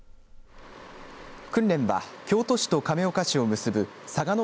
訓練は京都市と亀岡市を結ぶ嵯峨野